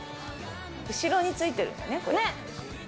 後ろについてるんだね、これ。